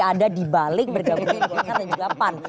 ada dibalik bergabung dengan juga pan